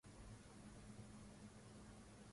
michakato ya bunge kutoka kwa vijana machachari